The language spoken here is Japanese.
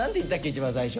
一番最初。